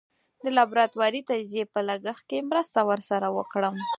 د لابراتواري تجزیې په لګښت کې مرسته ور سره وکړم.